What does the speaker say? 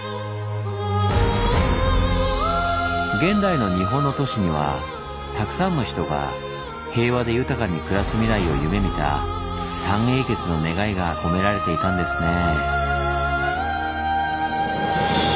現代の日本の都市にはたくさんの人が平和で豊かに暮らす未来を夢みた三英傑の願いが込められていたんですねぇ。